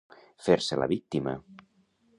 Fer-se la víctima.